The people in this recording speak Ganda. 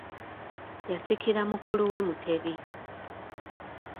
Yasikira mukulu we Mutebi.